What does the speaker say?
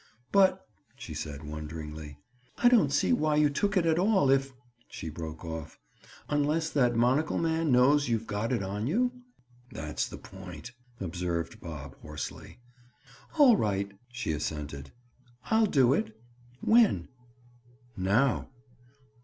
"But," she said wonderingly, "I don't see why you took it at all if—" She broke off—"Unless that monocle man knows you've got it on you?" "That's the point," observed Bob hoarsely. "All right," she assented. "I'll do it. When?" "Now."